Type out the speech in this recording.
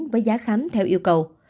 với giá khám theo yêu cầu